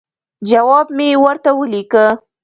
جواب مې ورته ولیکه.